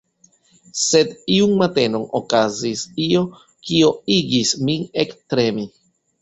Sed iun matenon okazis io, kio igis min ektremi.